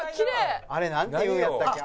「あれなんて言うんやったっけ？